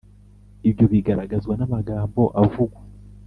Ibyo bigaragazwa n’amagambo avugwa